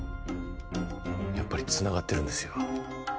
やっぱりつながってるんですよ